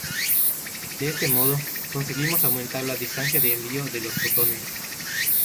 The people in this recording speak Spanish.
De este modo, conseguimos aumentar la distancia de envío de los fotones.